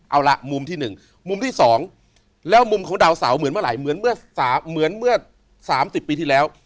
เอาละมุมที่๑มุมที่๒แล้วมุมของดาวเสาเหมือนเมื่อไหร่เหมือนเมื่อเหมือนเมื่อ๓๐ปีที่แล้ว